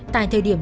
tại thời điểm